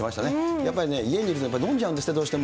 やっぱりね、家にいると飲んじゃうんですって、どうしても。